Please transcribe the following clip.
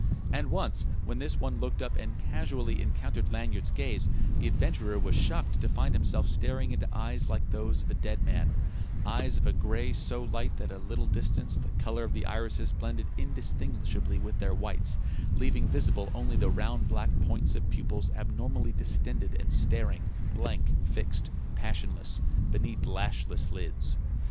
And once, when this one looked up and casually encountered Lanyard's gaze, the adventurer was shocked to find himself staring into eyes like those of a dead man: eyes of a grey so light that at a little distance the colour of the irises blended indistinguishably with their whites, leaving visible only the round black points of pupils abnormally distended and staring, blank, fixed, passionless, beneath lashless lids.